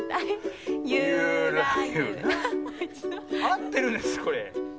あってるんですかこれ？